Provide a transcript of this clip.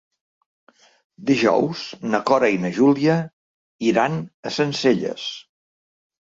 Dijous na Cora i na Júlia iran a Sencelles.